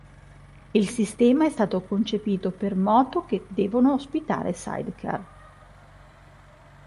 Il sistema è stato concepito per moto che devono ospitare sidecar.